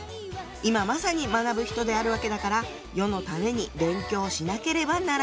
「今まさに学ぶ人であるわけだから世のために勉強をしなければならない」。